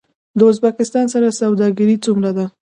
د ازبکستان سره سوداګري څومره ده؟